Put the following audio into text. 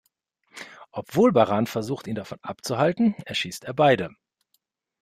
Obwohl Baran versucht, ihn davon abzuhalten, erschießt er beide.